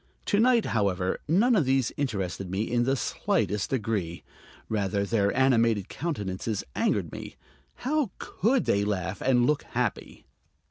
To night, however, none of these interested me in the slightest degree; rather, their animated countenances angered me. How could they laugh and look happy!